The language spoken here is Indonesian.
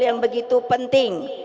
yang begitu penting